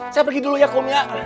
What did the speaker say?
saya pergi dulu ya kum ya